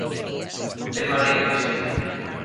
De Mareas.